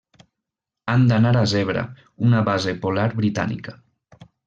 Han d’anar a Zebra, una base polar britànica.